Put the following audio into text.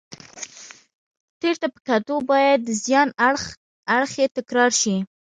تېر ته په کتو باید د زیان اړخ یې تکرار شي.